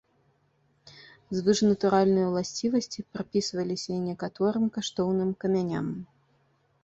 Звышнатуральныя ўласцівасці прыпісваліся і некаторым каштоўным камяням.